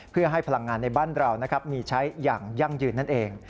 เพื่อให้พลังงานในบ้านเรามีใช้อย่างยั่งยืนนั่นเอง